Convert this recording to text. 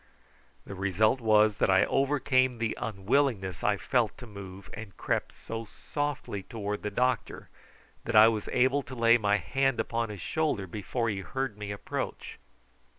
The result was that I overcame the unwillingness I felt to move, and crept so softly towards the doctor that I was able to lay my hand upon his shoulder before he heard me approach.